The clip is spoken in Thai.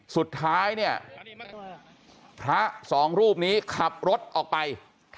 สุดท้ายเนี่ยพระสองรูปนี้ขับรถออกไป